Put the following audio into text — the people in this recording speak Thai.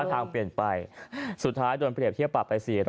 ทางเปลี่ยนไปสุดท้ายโดนเปรียบเทียบปรับไป๔๐๐